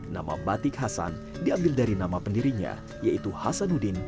nama batik hasan diambil dari nama pendirinya yaitu hasanuddin